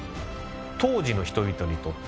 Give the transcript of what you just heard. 当時の人々にとって